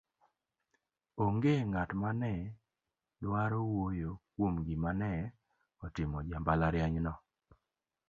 onge ng'at mane dwaro wuoyo kuom gima ne otimo jambalariany no